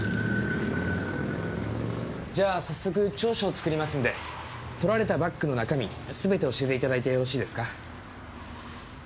じゃあ調書を作りますんで盗られたバッグの中身すべて教えていただいてよろしいですか？